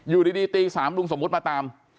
อยู่ดีตี๓ลุงสมมุติมาตาม